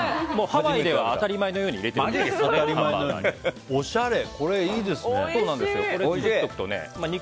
ハワイでは当たり前のように入れてるみたいです。